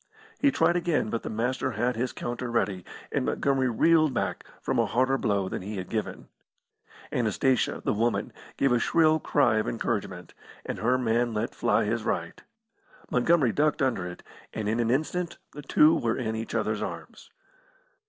He tried again, but the Master had his counter ready, and Montgomery reeled back from a harder blow than he had given. Anastasia, the woman, gave a shrill cry of encouragement, and her man let fly his right. Montgomery ducked under it, and in an instant the two were in each other's arms.